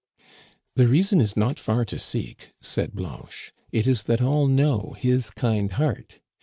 The reason is not far to seek," said Blanche. " It is that all know his kind heart.